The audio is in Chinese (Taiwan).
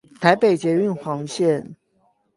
台北捷運黃線